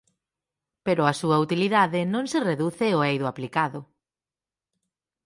Pero a súa utilidade non se reduce ó eido aplicado.